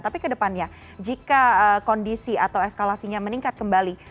tapi kedepannya jika kondisi atau eskalasinya meningkat kembali